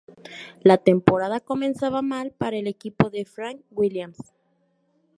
La temporada comenzaba mal para el equipo de Frank Williams.